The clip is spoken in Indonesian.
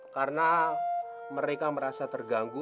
karena mereka merasa terganggu